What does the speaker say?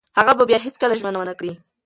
هغه به بیا هیڅکله ژمنه ونه کړي.